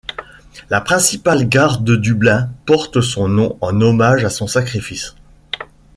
La principale gare de Dublin porte son nom en hommage à son sacrifice.